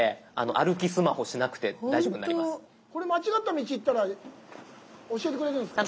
これ間違った道行ったら教えてくれるんですか？